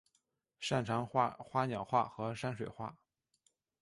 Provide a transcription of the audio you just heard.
擅长画花鸟画和山水画。